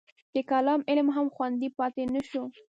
د کلام علم هم خوندي پاتې نه شو.